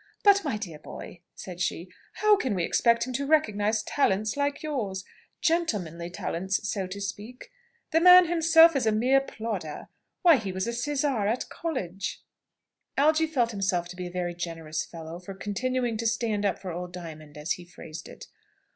"But, my dear boy," said she, "how can we expect him to recognise talents like yours gentlemanly talents, so to speak? The man himself is a mere plodder. Why, he was a sizar at college!" Algy felt himself to be a very generous fellow for continuing to "stand up for old Diamond," as he phrased it.